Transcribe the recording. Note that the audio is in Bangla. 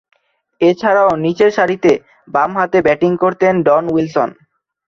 এছাড়াও, নিচেরসারিতে বামহাতে ব্যাটিং করতেন ডন উইলসন।